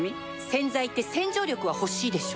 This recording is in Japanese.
洗剤って洗浄力は欲しいでしょ